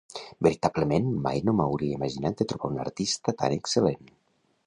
Veritablement mai no m'hauria imaginat de trobar un artista tan excel·lent.